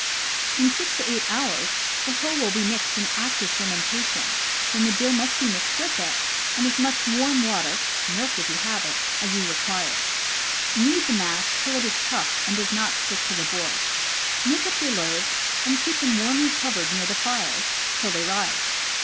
In six to eight hours the whole will be in active fermentation, when the dough must be mixed with it, and as much warm water (milk, if you have it) as you require. Knead the mass till it is tough and does not stick to the board. Make up your loaves, and keep them warmly covered near the fire till they rise.